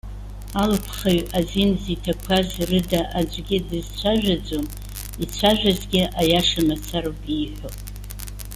Алыԥхаҩы азин зиҭақәаз рыда аӡәгьы дызцәажәаӡом, ицәажәазгьы аиаша мацароуп ииҳәо.